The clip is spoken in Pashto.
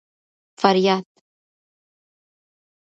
فریاد